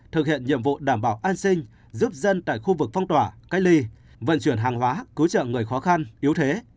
thực hiện nhiệm vụ đảm bảo an sinh giúp dân tại khu vực phong tỏa cách ly vận chuyển hàng hóa cứu trợ người khó khăn yếu thế